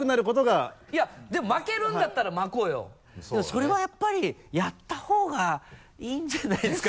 それはやっぱりやった方がいいんじゃないですか？